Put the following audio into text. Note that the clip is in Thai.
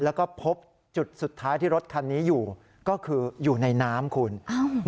แล้วก็พบจุดสุดท้ายที่รถคันนี้อยู่ก็คืออยู่ในน้ำคุณอ้าว